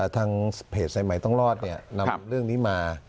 ทางเพจสายใหม่ต้องรอดนำเรื่องนี้มา